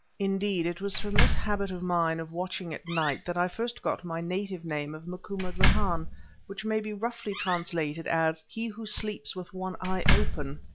Indeed, it was from this habit of mine of watching at night that I first got my native name of Macumazahn, which may be roughly translated as "he who sleeps with one eye open."